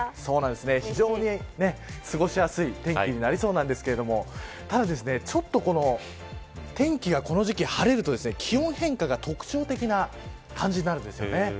非常に過ごしやすい天気になりそうなんですけれどもただ、ちょっとこの天気がこの時期、晴れると気温変化が特徴的な感じになるんですよね。